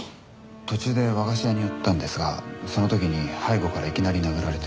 途中で和菓子屋に寄ったんですがその時に背後からいきなり殴られて。